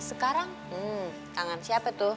sekarang tangan siapa tuh